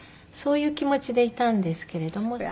そういう気持ちでいたんですけれども。